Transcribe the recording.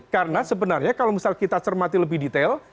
karena sebenarnya kalau misalnya kita cermati lebih detail